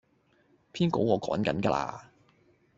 篇稿我趕緊架喇